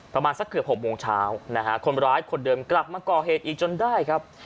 ประมาณสักเกือบหกโมงเช้านะฮะคนร้ายคนเดิมกลับมาก่อเหตุอีกจนได้ครับ